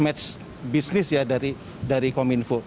match bisnis ya dari kominfo